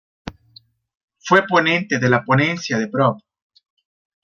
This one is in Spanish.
Fue ponente de la Ponencia de Prop.